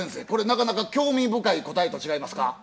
これなかなか興味深い答えと違いますか？